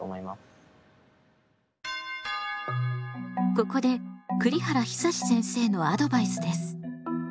ここで栗原久先生のアドバイスです。